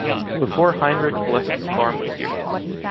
Before Heinrich Blesse’s farm was here.